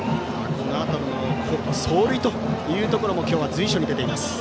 走塁というところも今日は随所に出ています。